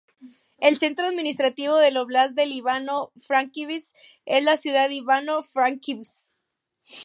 El centro administrativo del óblast de Ivano-Frankivsk es la ciudad de Ivano-Frankivsk.